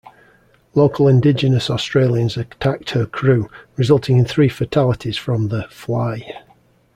Local indigenous Australians attacked her crew; resulting in three fatalities from the "Fly".